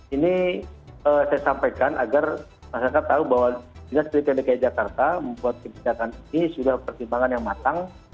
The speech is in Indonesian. ini saya sampaikan agar masyarakat tahu bahwa dinas pendidikan dki jakarta membuat kebijakan ini sudah pertimbangan yang matang